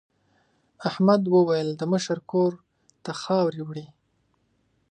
احمد وویل د مشر کور ته خاورې وړي.